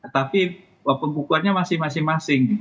tapi pembukuannya masih masing masing